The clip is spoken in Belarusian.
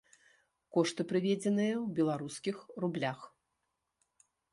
Кошты прыведзеныя ў беларускіх рублях.